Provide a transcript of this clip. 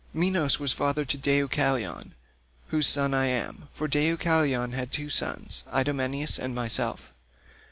152 Minos was father to Deucalion, whose son I am, for Deucalion had two sons Idomeneus and myself.